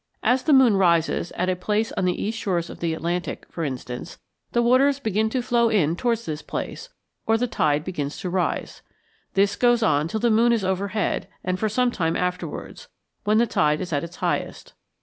As the moon rises at a place on the east shores of the Atlantic, for instance, the waters begin to flow in towards this place, or the tide begins to rise. This goes on till the moon is overhead and for some time afterwards, when the tide is at its highest.